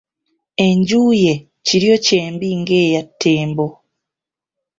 Enju ye Kiryokyembi ng'eya Ttembo.